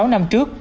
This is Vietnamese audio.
sáu năm trước